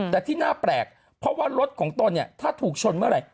แต่ที่น่าแปลกเพราะว่ารถของตนเนี่ยถ้าถูกชนเมื่อไหร่